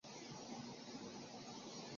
也称作镰仓八幡宫。